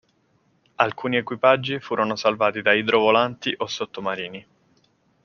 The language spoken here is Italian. Alcuni equipaggi furono salvati da idrovolanti o sottomarini.